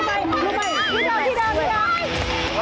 ไม่เหนียวไม่เหนียว